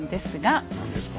何ですか？